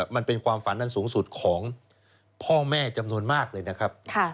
มันเป็นความฝันอันสูงสุดของพ่อแม่จำนวนมากเลยนะครับ